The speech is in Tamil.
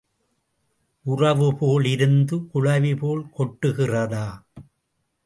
உறவுபோல் இருந்து குளவிபோல் கொட்டுகிறதா?